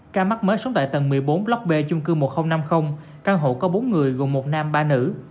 ca mắc mới sống tại tầng một mươi bốn block b chung cư một nghìn năm mươi căn hộ có bốn người gồm một nam ba nữ